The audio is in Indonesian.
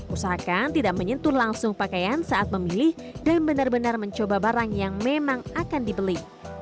usahakan tidak menyentuh langsung pakaian saat memilih dan benar benar mencoba barang yang memang akan dibeli